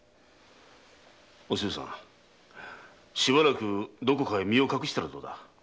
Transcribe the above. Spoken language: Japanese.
お静さんしばらくどこかへ身を隠したらどうだ？